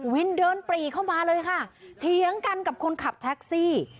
เดินปรีเข้ามาเลยค่ะเถียงกันกับคนขับแท็กซี่